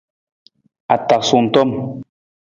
Atasung tom.